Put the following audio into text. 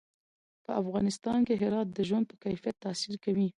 په افغانستان کې هرات د ژوند په کیفیت تاثیر کوي.